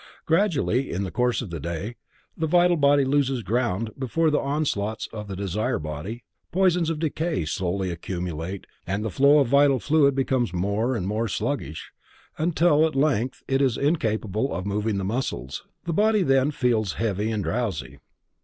Gradually, in the course of the day, the vital body loses ground before the onslaughts of the desire body, poisons of decay slowly accumulate and the flow of vital fluid becomes more and more sluggish, until at length it is incapable of moving the muscles. The body then feels heavy and drowsy.